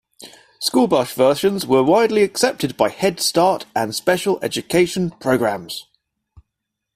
School bus versions were widely accepted by Head Start and special education programs.